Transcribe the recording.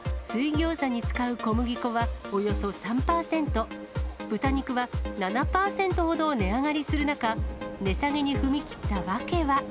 水餃子に使う小麦粉はおよそ３％、豚肉は７％ほど値上がりする中、値下げに踏み切った訳は。